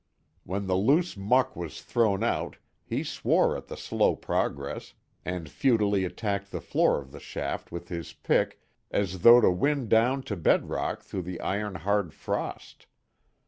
When the loose muck was thrown out he swore at the slow progress, and futilely attacked the floor of the shaft with his pick as though to win down to bed rock through the iron hard frost.